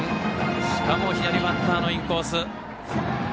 しかも左バッターのインコース。